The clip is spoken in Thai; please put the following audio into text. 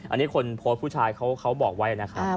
อันนี้ผู้โพสต์พูดชายเข้าบอกไว้ครับ